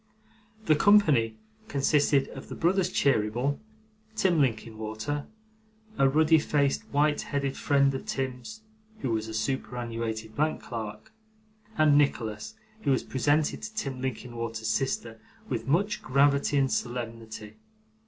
The company consisted of the brothers Cheeryble, Tim Linkinwater, a ruddy faced white headed friend of Tim's (who was a superannuated bank clerk), and Nicholas, who was presented to Tim Linkinwater's sister with much gravity and solemnity.